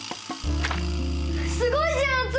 すごいじゃん熱護！